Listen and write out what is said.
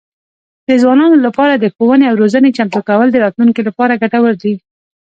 د ځوانانو لپاره د ښوونې او روزنې چمتو کول د راتلونکي لپاره ګټور دي.